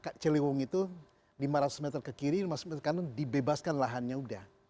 di kanan ciliwung itu lima ratus meter ke kiri lima ratus meter ke kanan dibebaskan lahannya sudah